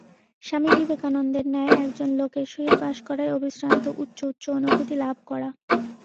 স্বামী বিবেকানন্দের ন্যায় একজন লোকের সহিত বাস করাই অবিশ্রান্ত উচ্চ উচ্চ অনুভূতি লাভ করা।